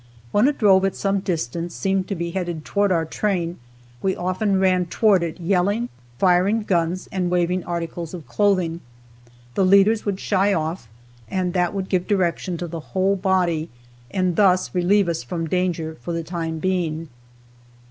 When a drove, at some distance, seemed to be headed toward our train, we often ran toward it, yelling, firing guns, and waving articles of clothing. The leaders would shy off, and that would give direction to the whole body, and thus relieve us from danger for the time being.